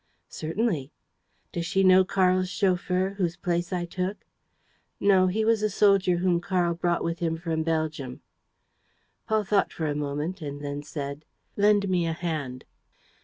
"Certainly." "Does she know Karl's chauffeur, whose place I took?" "No. He was a soldier whom Karl brought with him from Belgium." Paul thought for a moment and then said: "Lend me a hand."